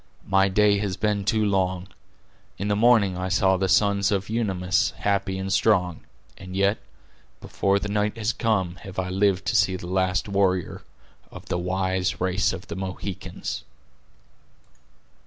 My day has been too long. In the morning I saw the sons of Unamis happy and strong; and yet, before the night has come, have I lived to see the last warrior of the wise race of the Mohicans."